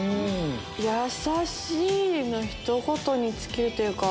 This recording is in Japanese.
やさしいのひと言に尽きるというか。